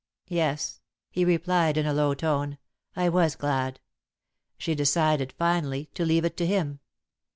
"Yes," he replied, in a low tone, "I was glad. She decided, finally, to leave it to him.